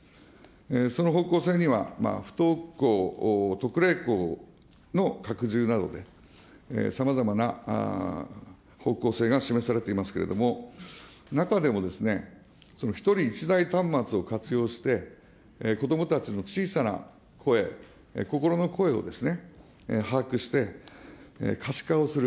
その方向性には不登校特例校の拡充など、さまざまな方向性が示されていますけれども、中でも、１人１台端末を活用して、子どもたちの小さな声、心の声を把握して可視化をする。